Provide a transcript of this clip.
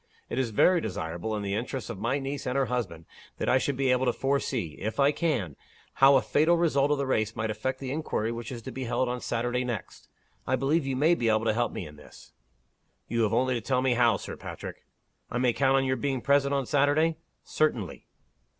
It is very desirable, in the interests of my niece and her husband, that I should be able to foresee, if I can, how a fatal result of the race might affect the inquiry which is to be held on Saturday next. I believe you may be able to help me in this." "You have only to tell me how, Sir Patrick." "I may count on your being present on Saturday?" "Certainly."